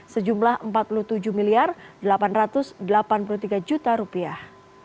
sejumlah empat puluh tujuh miliar delapan ratus delapan puluh tiga juta rupiah